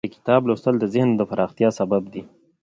د کتاب لوستل د ذهن د پراختیا سبب دی.